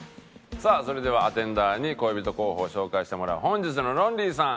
さあそれではアテンダーに恋人候補を紹介してもらう本日のロンリーさん